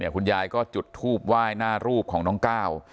คุณยายก็จุดทูบไหว้หน้ารูปของน้องก้าว